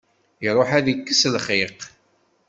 Iruḥ ad ikkes lxiq.